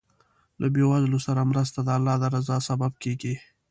له بېوزلو سره مرسته د الله د رضا سبب کېږي.